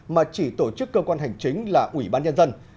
mà chỉ tổ chức cơ quan hành chính là ủy ban nhân dân